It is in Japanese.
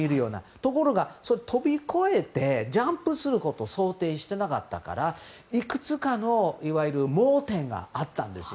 ところが、ジャンプすることを想定してなかったからいくつかの盲点があったんですよ。